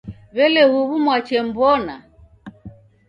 W'ele huwu mwachemw'ona?